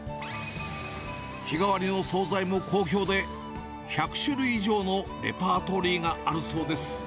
日替わりの総菜も好評で、１００種類以上のレパートリーがあるそうです。